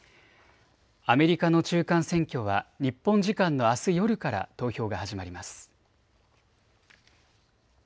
アメリカの中間選挙は日本時間のあす夜から投票が始まります。